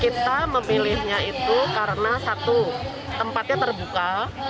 kita memilihnya itu karena satu tempatnya terbuka